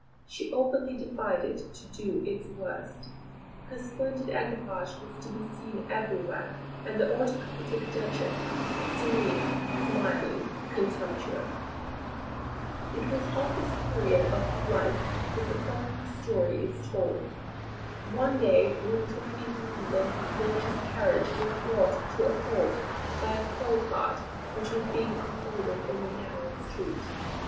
She openly defied it to do its worst. Her splendid equipage was to be seen everywhere, with the autocratic Duchess, serene, smiling, contemptuous. It was of this period of her life that the following story is told. One day when driving in London her gorgeous carriage was brought to a halt by a coal cart which was being unloaded in a narrow street.